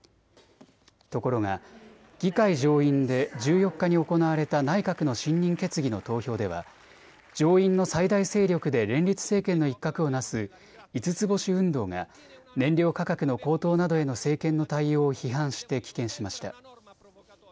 ところが議会上院で１４日に行われた内閣の信任決議の投票では上院の最大勢力で連立政権の一角をなす５つ星運動が燃料価格の高騰などへの政権の対応を批判して棄権しました。